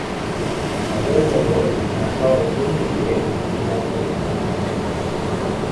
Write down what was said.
El deu d'agost na Sol i en Roger iran al metge.